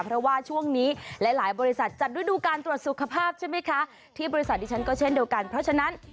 เพราะว่าช่วงนี้หลายบริษัทจัดวิดูการตรวจสุขภาพใช่ไหมคะ